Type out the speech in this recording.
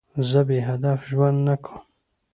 زه بېهدف ژوند نه کوم.